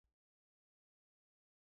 دوی له دې اړخه کارګرانو ته نږدې دي.